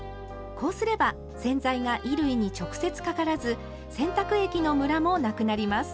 こうすれば洗剤が衣類に直接かからず洗濯液のムラもなくなります。